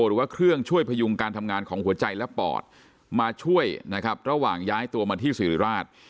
หรือว่าเครื่องช่วยพยุงการทำงานของหัวใจและปอดมาช่วยนะครับระหว่างย้ายตัวมาที่สิริราช